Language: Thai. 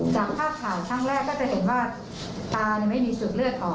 จากภาพข่าวครั้งแรกก็จะเห็นว่าตาไม่มีศึกเลือดออก